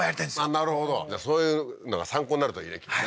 なるほどじゃあそういうのが参考になるといいね